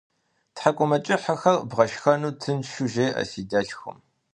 Тхьэкӏумэкӏыхьхэр бгъэшхэну тыншу жеӏэ си дэлъхум.